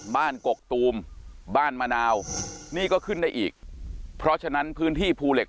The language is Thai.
กกตูมบ้านมะนาวนี่ก็ขึ้นได้อีกเพราะฉะนั้นพื้นที่ภูเหล็ก